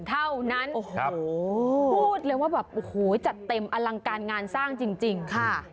เพราะฉะนั้นพูดเลยว่าแบบจัดเต็มอลังการงานสร้างจริงค่ะ